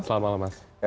selamat malam mas